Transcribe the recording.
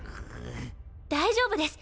大丈夫です